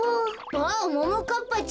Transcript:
あっももかっぱちゃん。